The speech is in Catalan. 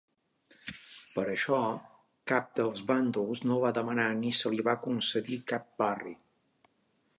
Per això, cap dels bàndols no va demanar ni se li va concedir cap barri.